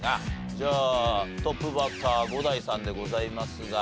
じゃあトップバッター伍代さんでございますが。